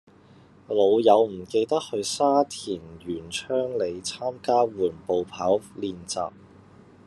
老友唔記得去沙田源昌里參加緩步跑練習